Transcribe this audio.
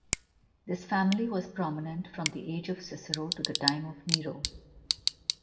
This family was prominent from the age of Cicero to the time of Nero.